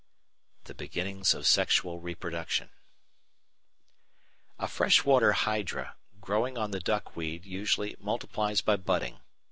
The Beginning of Sexual Reproduction A freshwater Hydra, growing on the duckweed usually multiplies by budding.